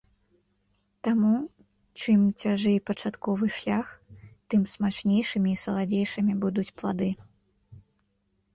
Таму, чым цяжэй пачатковы шлях, тым смачнейшымі і саладзейшымі будуць плады.